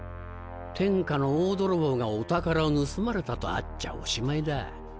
天下の大泥棒がお宝を盗まれたとあっちゃおしまいだ。